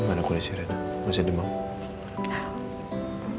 gimana kulit si rena masih demam